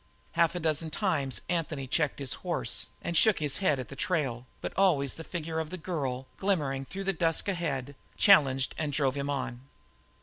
Half a dozen times Anthony checked his horse and shook his head at the trail, but always the figure of the girl, glimmering through the dusk ahead, challenged and drove him on.